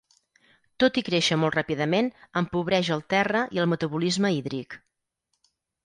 Tot i créixer molt ràpidament, empobreix el terra i el metabolisme hídric.